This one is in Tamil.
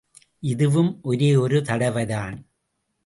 இதுவும் ஒரே ஒரு தடவைதான்.